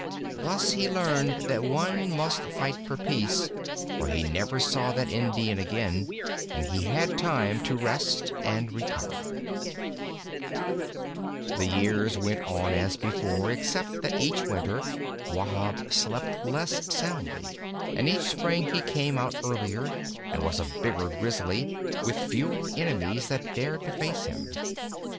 Thus he learned that one must fight for peace; for he never saw that Indian again, and he had time to rest and recover. [Illustration: "HE STRUCK ONE FEARFUL, CRUSHING BLOW."] II The years went on as before, except that each winter Wahb slept less soundly, and each spring he came out earlier and was a bigger Grizzly, with fewer enemies that dared to face him.